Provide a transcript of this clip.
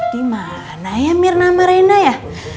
dimana ya mirna sama reina ya